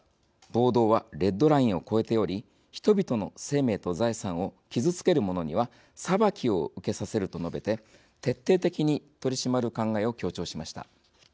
暴動はレッドラインを越えており人々の生命と財産を傷つける者には裁きを受けさせると述べて徹底的に取り締まる考えを強調しました。